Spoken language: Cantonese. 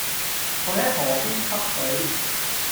佢係河邊吸水